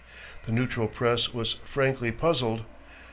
The neutral press was frankly puzzled.